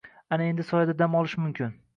Ana endi soyada dam olish mumkin